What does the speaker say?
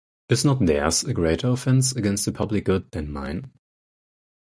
Is not theirs a greater Offence against the Public Good, than mine?